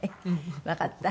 わかった？